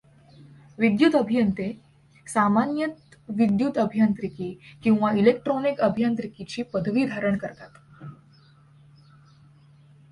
विद्युत अभियंते सामान्यत विद्युत अभियांत्रिकी किंवा इलेक्ट्रॉनिक अभियांत्रिकीची पदवी धारण करतात.